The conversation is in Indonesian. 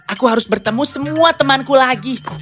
aku harus bertemu semua temanku lagi